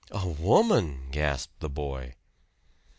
"A woman!" gasped the boy.